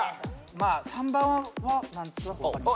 まあ３番は何となく分かります。